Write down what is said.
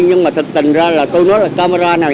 nhưng mà thật tình ra là tôi nói là camera nào